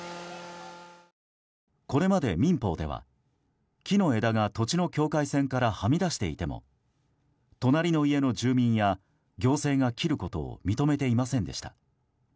これまで民法では木の枝が土地の境界線からはみ出していても隣の家の住民や行政が切ることを認めていませんでした。